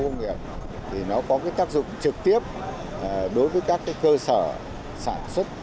đối với các khu công nghiệp nó có tác dụng trực tiếp đối với các cơ sở sản xuất